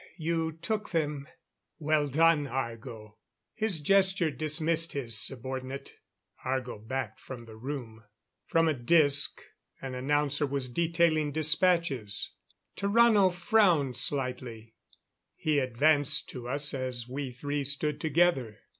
You took them? Well done, Argo!" His gesture dismissed his subordinate; Argo backed from the room. From a disc, an announcer was detailing dispatches. Tarrano frowned slightly. He advanced to us as we three stood together.